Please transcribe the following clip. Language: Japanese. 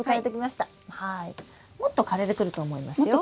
もっと枯れてくると思いますよ。